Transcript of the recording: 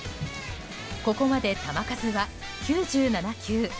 ここまで球数は９７球。